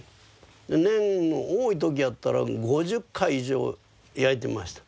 年の多い時やったら５０回以上焼いてました。